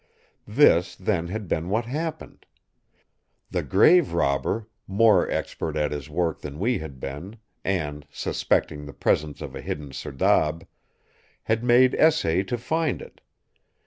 This then had been what happened: The grave robber, more expert at his work than we had been, and suspecting the presence of a hidden serdab, had made essay to find it.